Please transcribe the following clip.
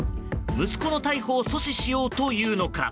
息子の逮捕を阻止しようというのか。